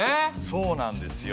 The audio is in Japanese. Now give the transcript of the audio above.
そうなんですよ。